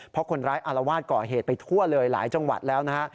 เพราะคนร้ายอารวาสก่อเหตุไปทั่วเลยหลายจังหวัดแล้วนะฮะ